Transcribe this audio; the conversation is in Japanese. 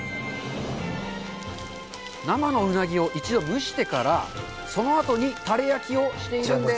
生のウナギを一度蒸してからそのあとに、タレ焼きをしているんです。